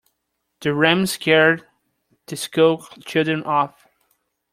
The ram scared the school children off.